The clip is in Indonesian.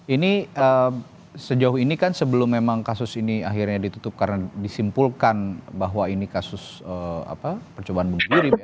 ini sejauh ini kan sebelum memang kasus ini akhirnya ditutup karena disimpulkan bahwa ini kasus percobaan bunuh diri